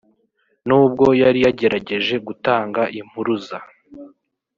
n’ubwo yari yagerageje gutanga impuruza